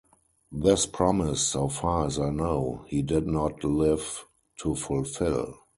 This promise, so far as I know, he did not live to fulfill.